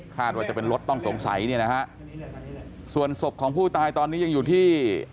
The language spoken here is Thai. ว่าจะเป็นรถต้องสงสัยเนี่ยนะฮะส่วนศพของผู้ตายตอนนี้ยังอยู่ที่